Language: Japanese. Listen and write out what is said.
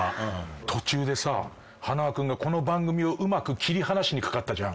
途中でさ塙くんがこの番組をうまく切り離しにかかったじゃん